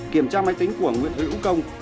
kiểm tra máy tính của nguyễn thư lũ công